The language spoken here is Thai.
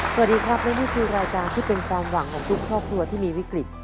สวัสดีครับและนี่คือรายการที่เป็นความหวังของทุกครอบครัวที่มีวิกฤต